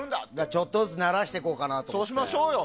ちょっとずつ慣らしていこうかなと。